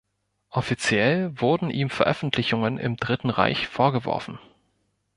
Offiziell wurden ihm Veröffentlichungen im Dritten Reich vorgeworfen.